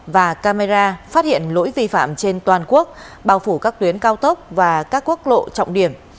và camera phát hiện lỗi vi phạm trên toàn quốc bao phủ các tuyến cao tốc và các quốc lộ trọng điểm